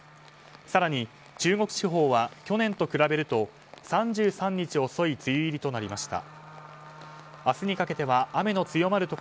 更に、中国地方は去年と比べると３３日遅い梅雨入りとなりました。